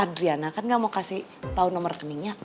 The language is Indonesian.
adriana kan gak mau kasih tahu nomor rekeningnya